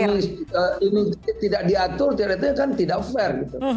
kalau ini tidak diatur ternyata kan tidak fair